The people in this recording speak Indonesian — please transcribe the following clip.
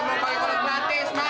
ini berapa yang kolak gratis mane